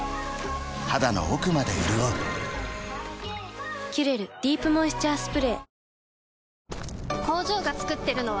肌の奥まで潤う「キュレルディープモイスチャースプレー」